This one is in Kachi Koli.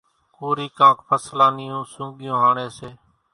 ڪورِي ڪانڪ ڦصلان نِيون سونڳِيون هاڻيَ سي۔